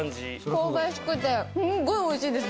香ばしくてすんごいおいしいですでも。